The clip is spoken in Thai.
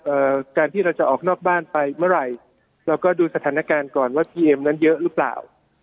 การที่เราจะออกนอกบ้านไปเมื่อไหร่เราก็ดูสถานการณ์ก่อนว่าพีเอ็มนั้นเยอะหรือเปล่า